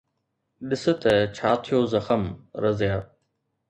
ڏس ته ڇا ٿيو زخم، رضيه